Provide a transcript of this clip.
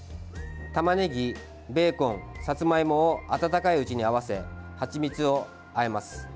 たまねぎ、ベーコンさつまいもを温かいうちに合わせはちみつをあえます。